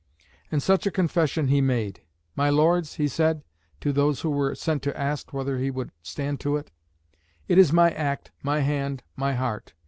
And such a confession he made. "My Lords," he said, to those who were sent to ask whether he would stand to it, "it is my act, my hand, my heart.